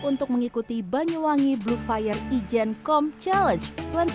untuk mengikuti banyuwangi blue fire ijen com challenge dua ribu dua puluh